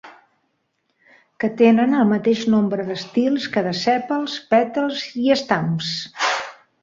Que tenen el mateix nombre d'estils que de sèpals, pètals i estams.